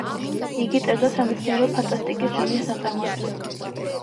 იგი წერდა სამეცნიერო ფანტასტიკის ჟანრის ნაწარმოებს.